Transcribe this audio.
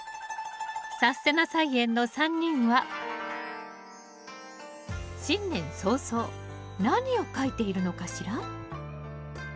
「さすてな菜園」の３人は新年早々何を書いてるのかしら？